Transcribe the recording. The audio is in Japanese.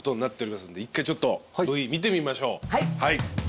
１回ちょっとＶ見てみましょう。